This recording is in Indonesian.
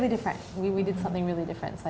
kita melakukan sesuatu yang sangat berbeda